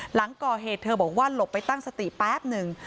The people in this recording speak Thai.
หลังก่อเหตุเธอบอกว่าหลบไปตั้งสติแป๊บหนึ่ง